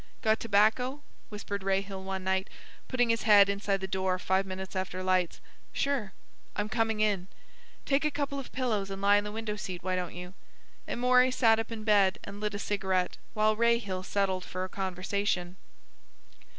"Got tobacco?" whispered Rahill one night, putting his head inside the door five minutes after lights. "Sure." "I'm coming in." "Take a couple of pillows and lie in the window seat, why don't you." Amory sat up in bed and lit a cigarette while Rahill settled for a conversation.